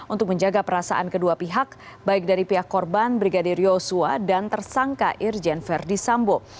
untuk menjaga perasaan kedua pihak baik dari pihak korban brigadir yosua dan tersangka irjen verdi sambo